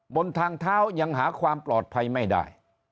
บนทางเท้ายังหาความปลอดภัยไม่ได้